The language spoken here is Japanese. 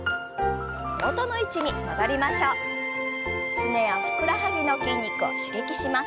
すねやふくらはぎの筋肉を刺激します。